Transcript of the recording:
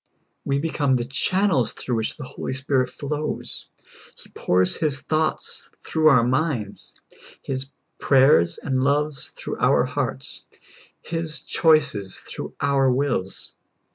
We become the channels through wdiich the Holy Spirit flows ; He pours His thoughts through our minds. His prayers and loves through our hearts. His choices through our wills.